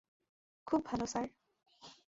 খুব ভালো, স্যার।